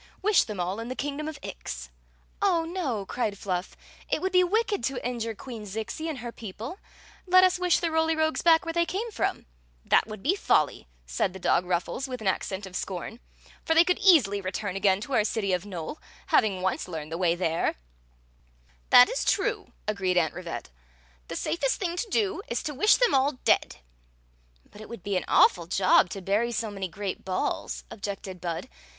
Wish them all in the kingdom of Ix." " Oh, no !" cried Fluff ;" it would be wicked to injure Queen Zixi and her people. Let us wish the Roly Rogues back where they came from." "That would be folly!" said the dog Ruffles, with an accent of scorn. " For they could easily return again to our city of Nole, having once learned the way there." Story of the Magic Cioak "That is true," agreed Aunt Rivette. "The safest thing to do is to wish them all dead" "But it would be an awfiil job to bury so many great balls," objected Bud.